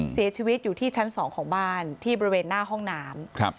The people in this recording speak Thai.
เสียชีวิตอยู่ที่ชั้น๒ของบ้านที่บริเวณหน้าห้องน้ำ